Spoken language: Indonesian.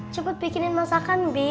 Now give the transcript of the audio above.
cepet bikinin masakan bi